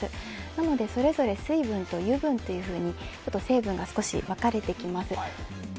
なので、それぞれ水分と油分と成分が少し分かれてきます。